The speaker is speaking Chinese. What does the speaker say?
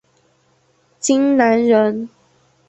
荆南人。